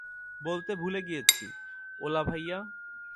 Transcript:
বলতে ভুলে গেছি, ওলা ভাইয়া!